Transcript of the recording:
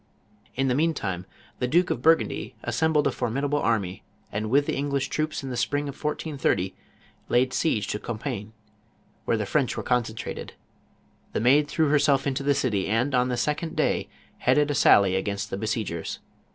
In the meantime, the Duke of Burgundy assembled a for midable army, and with the English troops? in the spring of 1430, laid siege to Compiegne, where the French were concentrated. The Maid threw herself into the city, and, on the second day, headed a sally against the besiegers.